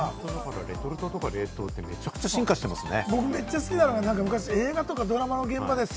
レトルトとか冷凍って、めちゃくちゃ進化してますもんね。